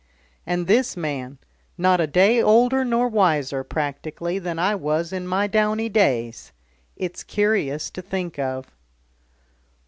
And this man, not a day older nor wiser (practically) than I was in my downy days. It's curious to think of."